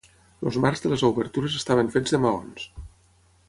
Els marcs de les obertures estaven fets de maons.